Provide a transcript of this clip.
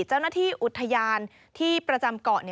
เจ้าหน้าที่อุทยานที่ประจำเกาะ